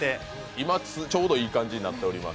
今、ちょうどいい感じになっています。